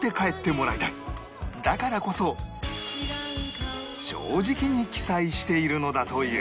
だからこそ正直に記載しているのだという